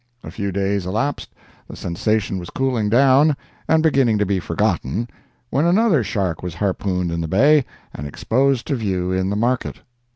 A few days elapsed, the sensation was cooling down and beginning to be forgotten, when another shark was harpooned in the Bay and exposed to view in the market.